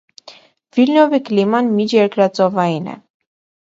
Վիլնյովի կլիման միջերկրածովային է։